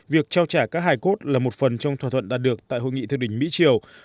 việc trao trả các hài cốt là một phần trong thỏa thuận đạt được tại hội nghị thượng đỉnh mỹ triều